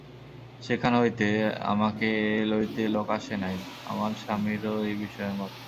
সেখান হইতে আমাকে লইতে লোক আসে নাই, আমার স্বামীরও এবিষয়ে মত নাই।